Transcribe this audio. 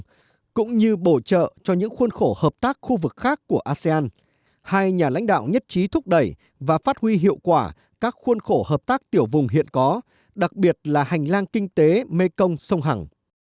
hai mươi sáu hợp tác đa phương cũng như bổ trợ cho những khuôn khổ hợp tác khu vực khác của asean hai nhà lãnh đạo nhất trí thúc đẩy và phát huy hiệu quả các khuôn khổ hợp tác tiểu vùng hiện có đặc biệt là hành lang kinh tế mekong sông hẳng